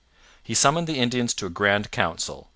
He summoned the Indians to a grand council.